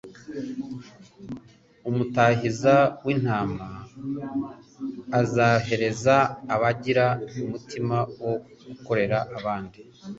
Umutahiza w'intama azahereza abagira umutima wo gukorera abandi.